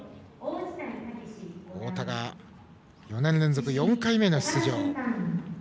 太田が４年連続４回目の出場。